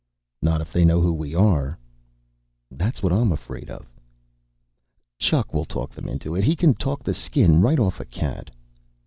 "Not if they know who we are." "That's what I'm afraid of." "Chuck will talk them into it. He can talk the skin right off a cat."